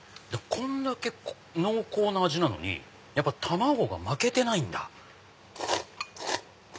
こんだけ濃厚な味なのにやっぱ卵が負けてないんだ。